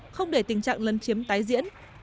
không để tình trạng lấn chiếm tái diễn